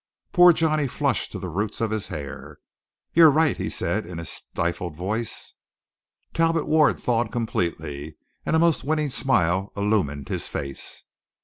Poor Johnny flushed to the roots of his hair. "You're right," said he in a stifled voice. Talbot Ward thawed completely, and a most winning smile illumined his face.